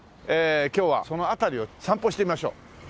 今日はその辺りを散歩してみましょう。